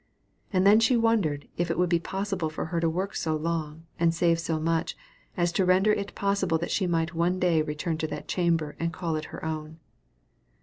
And then she wondered if it would be possible for her to work so long, and save so much, as to render it possible that she might one day return to that chamber and call it her own.